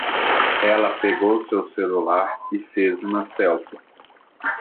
Ela pegou seu celular e fez uma selfie.